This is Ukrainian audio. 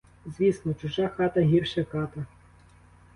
Звісно — чужа хата гірше ката.